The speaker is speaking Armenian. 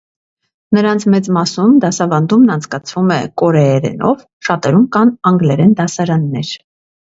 Նրանց մեծ մասում դասավանդումն անցկացվում է կորեերենով, շատերում կան անգլերեն դասարաններ։